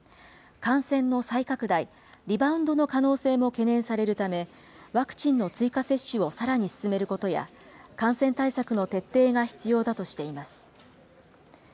感染の再拡大、リバウンドの可能性も懸念されるため、ワクチンの追加接種をさらに進めることや、感染対策の徹底が必要だとしています。